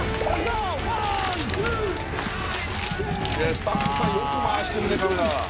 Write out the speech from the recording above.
スタッフさんよく回してるねカメラ。